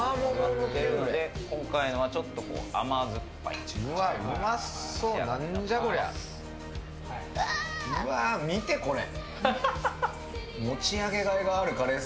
今回のはちょっと甘酸っぱい感じです。